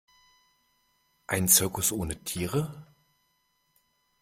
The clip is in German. Ein Zirkus ohne Tiere?